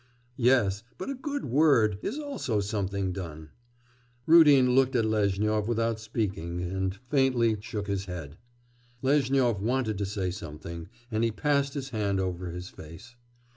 'Yes, but a good word is also something done.' Rudin looked at Lezhnyov without speaking and faintly shook his head. Lezhnyov wanted to say something, and he passed his hand over his face.